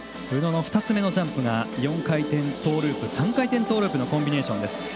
宇野の２つ目のジャンプが４回転トウループ３回転トーループのコンビネーション。